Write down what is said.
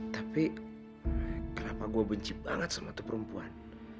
tapi kenapa gue benci banget sama tuh perempuan